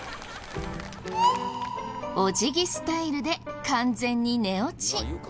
お辞儀スタイルで完全に寝落ち。